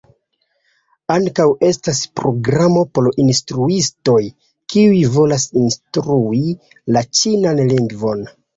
Ankaŭ estas programo por instruistoj, kiuj volas instrui la ĉinan lingvon.